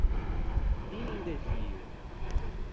Dinni un dexio!